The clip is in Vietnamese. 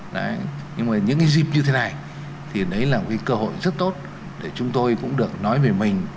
đấy nhưng mà những cái dịp như thế này thì đấy là một cái cơ hội rất tốt để chúng tôi cũng được nói về mình